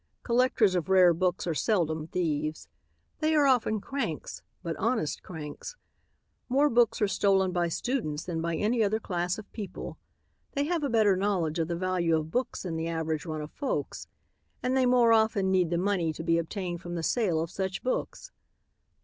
Collectors of rare books are seldom thieves. They are often cranks, but honest cranks. More books are stolen by students than by any other class of people. They have a better knowledge of the value of books than the average run of folks, and they more often need the money to be obtained from the sale of such books.